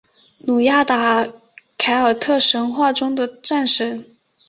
努亚达凯尔特神话中的战神。